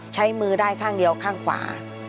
ใช้มือได้ข้างเดียวข้างขวา